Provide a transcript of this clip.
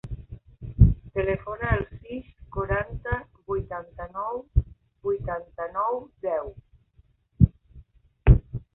Telefona al sis, quaranta, vuitanta-nou, vuitanta-nou, deu.